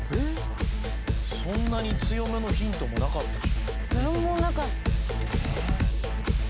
そんなに強めのヒントもなかったし。